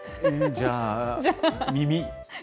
じゃあ、耳。